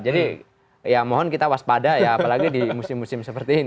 jadi ya mohon kita waspada ya apalagi di musim musim seperti ini